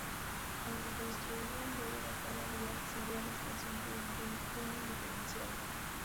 Aunque construida en bóveda cada vía accede a la estación por un túnel diferenciado.